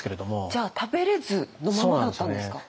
じゃあ食べれずのままだったんですか。